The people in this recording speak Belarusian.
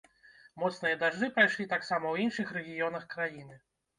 Моцныя дажджы прайшлі таксама ў іншых рэгіёнах краіны.